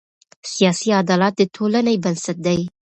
سیاسي عدالت د ټولنې بنسټ دی